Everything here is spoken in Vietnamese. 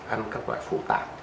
ăn các loại phủ tạng